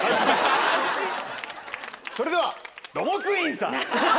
それではドモクインさん。